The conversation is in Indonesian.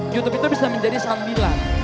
youtube itu bisa menjadi sambilan